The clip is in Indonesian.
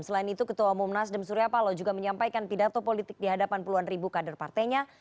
selain itu ketua umum nasdem surya paloh juga menyampaikan pidato politik di hadapan puluhan ribu kader partainya